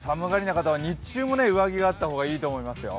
日中は長袖、寒がりな方は日中も上着があった方がいいと思いますよ。